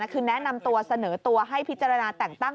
คือแนะนำตัวเสนอตัวให้พิจารณาแต่งตั้ง